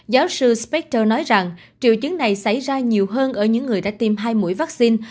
giáo sư spactor nói rằng triệu chứng này xảy ra nhiều hơn ở những người đã tiêm hai mũi vaccine